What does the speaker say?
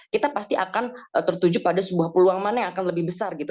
kita pasti akan tertuju pada sebuah peluang mana yang akan lebih besar gitu